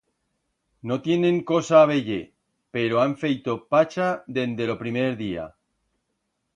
No tienen cosa a veyer pero han feito pacha dende lo primer día.